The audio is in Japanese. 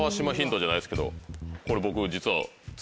これ僕実は。